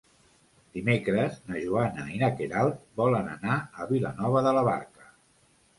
Dimecres na Joana i na Queralt volen anar a Vilanova de la Barca.